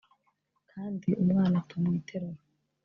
kandi umwana apfa mu iterura